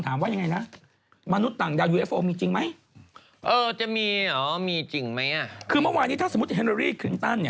อันนี้คือคุณม้า